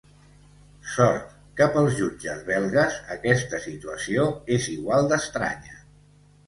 Sort que pels jutges belgues aquesta situació és igual d'estranya.